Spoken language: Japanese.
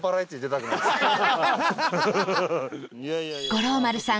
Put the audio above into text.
五郎丸さん